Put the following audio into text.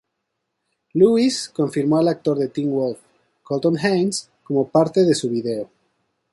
Lewis confirmó al actor de Teen Wolf Colton Haynes como parte de su video.